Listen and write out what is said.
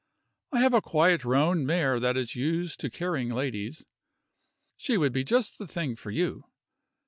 I have a quiet roan mare that is used to carrying ladies; she would be just the thing for you.